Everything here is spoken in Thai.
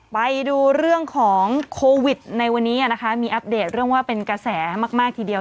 ไปดูเรื่องของโควิดในวันนี้นะคะมีอัปเดตเรื่องว่าเป็นกระแสมากทีเดียว